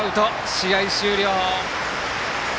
試合終了。